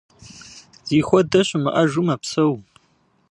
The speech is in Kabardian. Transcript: Зихуэдэ щымыӏэжу мэпсэу.